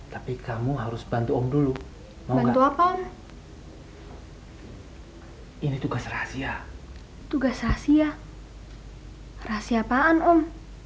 tapi uang anissa belum cukup